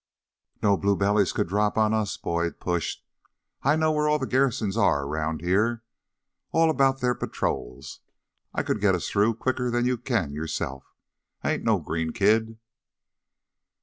"No blue bellies could drop on us," Boyd pushed. "I know where all the garrisons are round here all about their patrols. I could get us through quicker'n you can, yourself. I ain't no green kid!"